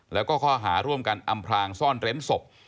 แล้วก็ข้อหาร่วมกันอำพลางซ่อนเร้นศพ